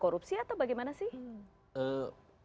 korupsi atau bagaimana sih